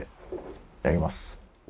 いただきます。